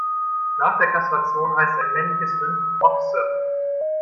Nach der Kastration heißt ein männliches Rind Ochse.